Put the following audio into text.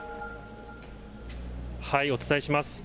お伝えします。